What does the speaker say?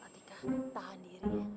atika tahan diri ya